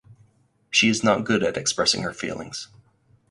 She is not good at expressing her feelings.